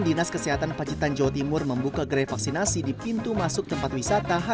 dinas kesehatan pacitan jawa timur membuka gerai vaksinasi di pintu masuk tempat wisata